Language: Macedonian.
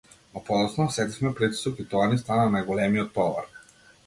Но подоцна осетивме притисок и тоа ни стана најголемиот товар.